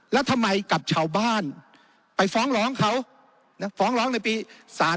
แล้วทำไมกับชาวบ้านไปฟ้องร้องเขาฟ้องร้องในปี๓๔